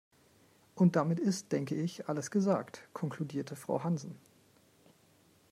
"Und damit ist denke ich alles gesagt", konkludiert Frau Hansen.